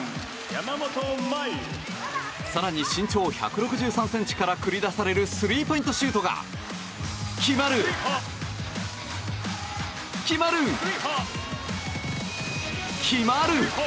更に、身長１６３ｃｍから繰り出されるスリーポイントシュートが決まる、決まる、決まる！